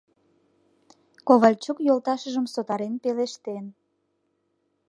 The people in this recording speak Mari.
— Ковальчук йолташыжым сотарен пелештен.